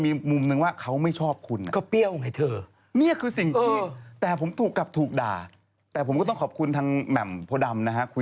ออเห็นไหมละจบมือเก่งมาก